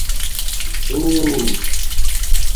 دُور